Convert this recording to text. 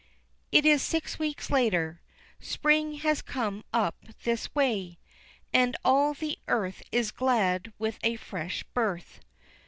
It is six weeks later, "spring has come up this way," and all the earth is glad with a fresh birth.